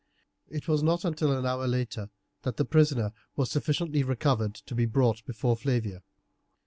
It was not until an hour later that the prisoner was sufficiently recovered to be brought before Flavia.